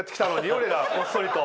俺らこっそりと。